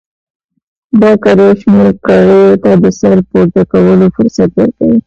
دا کار یو شمېر کړیو ته د سر پورته کولو فرصت ورکړ.